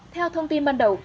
theo thông tin ban đầu